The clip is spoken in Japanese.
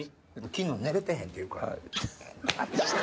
昨日寝れてへんっていうから。